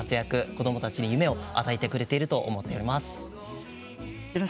子どもたちに夢を与えてくれていると思います。